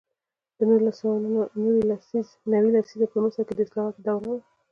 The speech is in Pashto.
د نولس سوه نوي لسیزه په مصر کې د اصلاحاتو دوره وه.